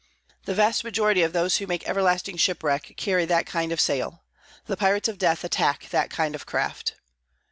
The vast majority of those who make everlasting shipwreck carry that kind of sail. The pirates of death attack that kind of craft.